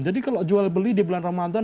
jadi kalau jual beli di bulan ramadan